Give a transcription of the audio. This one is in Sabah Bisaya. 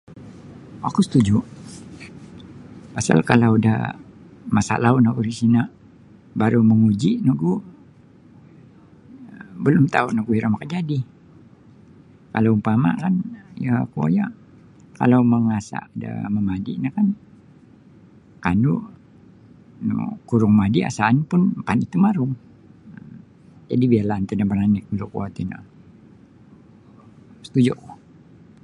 Oku setuju pasal kalau da masalau no bosino baru manguji nogu balum tau nogu iro makajadi kalau umpama da kuonyo kandu kurung madi kalau asahan mapandai tumarum jadi biarlah antad da maranik da kuo tino setuju oku.